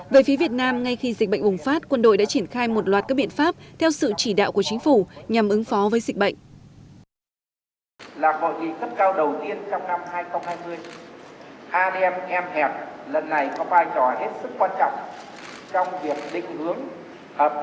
về phía việt nam ngay khi dịch bệnh bùng phát quân đội đã triển khai một loạt các biện pháp theo sự chỉ đạo của chính phủ nhằm ứng phó với dịch bệnh